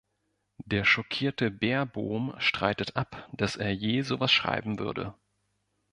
Der schockierte Beerbohm streitet ab, dass er je so etwas schreiben würde.